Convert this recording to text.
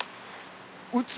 打つ。